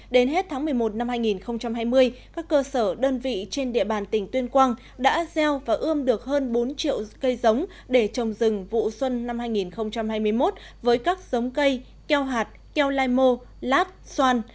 đến hết tháng một mươi một năm hai nghìn hai mươi các cơ sở đơn vị trên địa bàn tỉnh tuyên quang đã gieo và ươm được hơn bốn triệu cây giống để trồng rừng vụ xuân năm hai nghìn hai mươi một với các giống cây keo hạt keo lai mô lát xoan